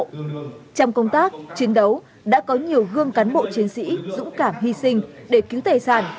trong công tác chiến đấu đã có nhiều gương cán bộ chiến sĩ dũng cảm hy sinh để cứu tài sản